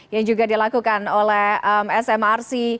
yang juga dilakukan oleh smrc